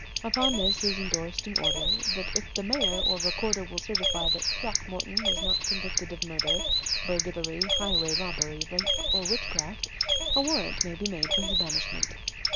Upon this is endorsed an order that if the mayor or recorder will certify that Throckmorton was not convicted of murder, burglary, highway robbery, rape, or witchcraft, a warrant may be made for his banishment.